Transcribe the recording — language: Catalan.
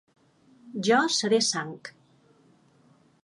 Jo seré Sang.